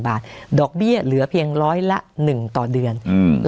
บาทดอกเบี้ยเหลือเพียงร้อยละ๑ต่อเดือน